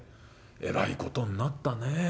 えらいことになったねえ。